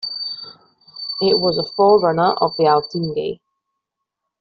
It was a forerunner of the Althingi.